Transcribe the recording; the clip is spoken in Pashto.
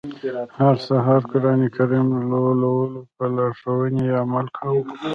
هر سهار قرآن کریم لولو او په لارښوونو يې عمل کوو.